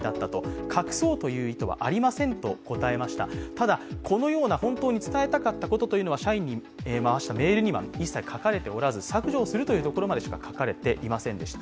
ただ、このような本当に伝えたかったことというのは社員に回したメールには一切書かれておらず、削除をするということしか書かれていませんでした。